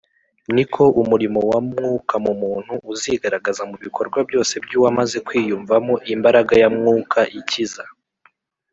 . Ni ko umurimo wa Mwuka mu muntu uzigaragaza mu bikorwa byose by’uwamaze kwiyumvamo imbaraga ya Mwuka ikiza